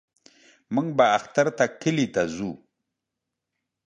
موږ به اختر ته کلي له زو.